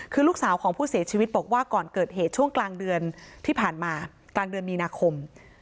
คือลูกสาวของผู้เสียชีวิตบอกว่าก่อนเกิดเหตุช่วงกลางเดือนที่ผ่านมากลางเดือนมีนาคม